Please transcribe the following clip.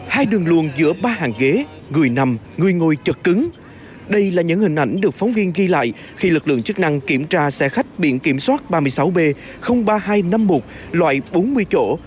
hai đường luồn giữa ba hàng ghế người nằm người ngồi chật cứng đây là những hình ảnh được phóng viên ghi lại khi lực lượng chức năng kiểm tra xe khách biển kiểm soát ba mươi sáu b ba nghìn hai trăm năm mươi một loại bốn mươi chỗ